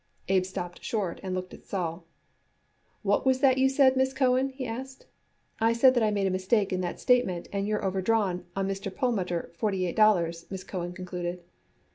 Abe stopped short and looked at Sol. "What was that you said, Miss Cohen?" he asked. "I said that I made a mistake in that statement, and you're overdrawn on Mr. Perlmutter forty eight dollars," Miss Cohen concluded.